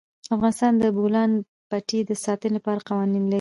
افغانستان د د بولان پټي د ساتنې لپاره قوانین لري.